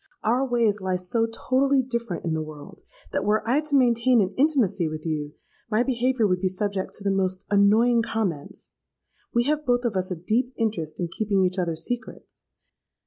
Our ways lie so totally different in the world, that were I to maintain an intimacy with you, my behaviour would be subject to the most annoying comments. We have both of us a deep interest in keeping each other's secrets.